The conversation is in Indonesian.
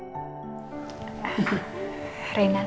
tapi gak diantar omang